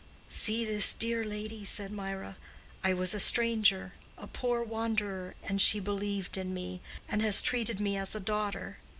"See this dear lady!" said Mirah. "I was a stranger, a poor wanderer, and she believed in me, and has treated me as a daughter.